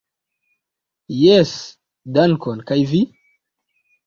Jes, dankon, kaj vi?